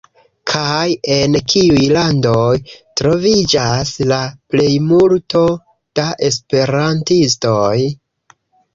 Kaj en kiuj landoj, troviĝas la plejmulto da esperantistoj?